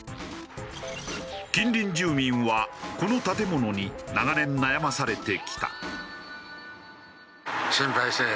近隣住民はこの建物に長年悩まされてきた。